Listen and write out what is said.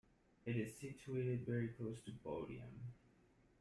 It is situated very close to Bodiam.